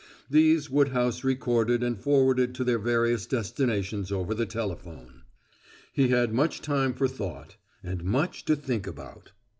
These Woodhouse recorded and forwarded to their various destinations over the telephone. He had much time for thought and much to think about.